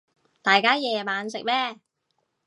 大家夜晚食咩